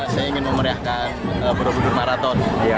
saya ingin memeriahkan borobudur maraton